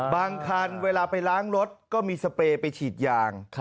คันเวลาไปล้างรถก็มีสเปรย์ไปฉีดยาง